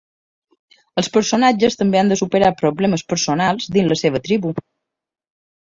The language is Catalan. Els personatges també han de superar problemes personals dins la seva tribu.